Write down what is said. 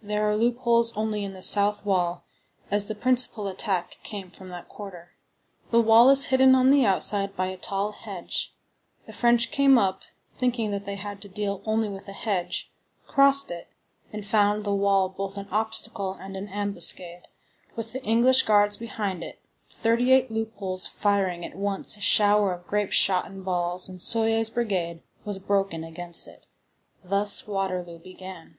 There are loopholes only in the south wall, as the principal attack came from that quarter. The wall is hidden on the outside by a tall hedge; the French came up, thinking that they had to deal only with a hedge, crossed it, and found the wall both an obstacle and an ambuscade, with the English guards behind it, the thirty eight loopholes firing at once a shower of grape shot and balls, and Soye's brigade was broken against it. Thus Waterloo began.